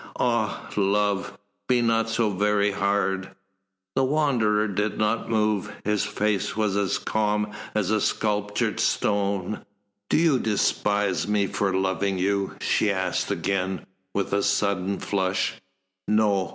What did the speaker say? Ah, love be not so very hard!" The Wanderer did not move. His face was as calm as a sculptured stone. "Do you despise me for loving you?" she asked again, with a sudden flush. "No.